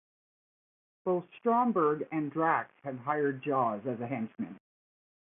Both Stromberg and Drax have hired Jaws as a henchman.